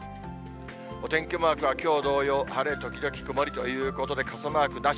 お天気マークはきょう同様、晴れ時々曇りということで、傘マークなし。